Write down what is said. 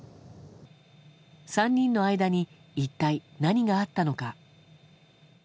３人の間に一体何があったのか。